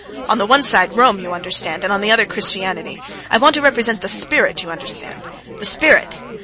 On the one side Rome, you understand, and on the other Christianity. ... I want to represent the spirit, you understand? The spirit!"